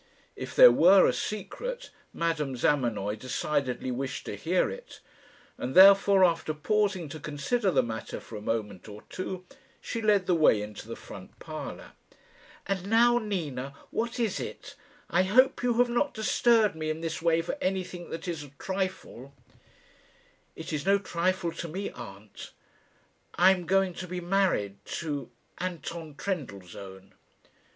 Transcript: If there were a secret, Madame Zamenoy decidedly wished to hear it, and therefore, after pausing to consider the matter for a moment or two, she led the way into the front parlour. "And now, Nina, what is it? I hope you have not disturbed me in this way for anything that is a trifle." "It is no trifle to me, aunt. I am going to be married to Anton Trendellsohn."